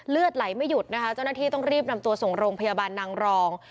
เลือดไหลไม่หยุดนะคะเจ้าหน้าที่ต้องรีบนำตัวส่งโรงพยาบาลนางรอง